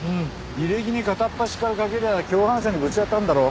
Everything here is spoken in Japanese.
履歴に片っ端からかけりゃ共犯者にぶち当たるだろ？